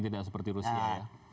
tidak seperti rusia ya